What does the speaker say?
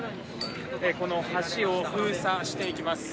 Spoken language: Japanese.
この橋を封鎖していきます。